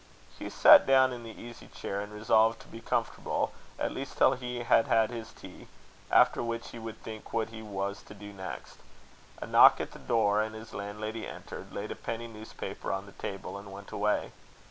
Hugh sat down in the easy chair, and resolved to be comfortable, at least till he had had his tea; after which he would think what he was to do next. A knock at the door and his landlady entered, laid a penny newspaper on the table, and went away.